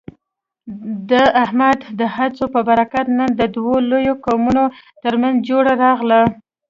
د احمد د هڅو په برکت، نن د دوو لویو قومونو ترمنځ جوړه راغله.